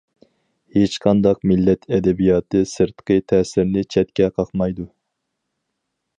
ھېچقانداق مىللەت ئەدەبىياتى سىرتقى تەسىرنى چەتكە قاقمايدۇ.